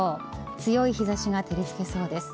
強い日差しが照り付けそうです。